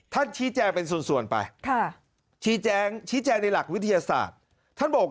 ชี้แจงเป็นส่วนไปชี้แจงชี้แจงในหลักวิทยาศาสตร์ท่านบอก